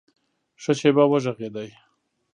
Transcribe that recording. ښه شېبه وږغېدی !